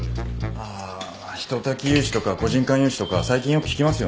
ああひととき融資とか個人間融資とか最近よく聞きますよね。